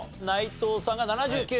内藤さんが７９？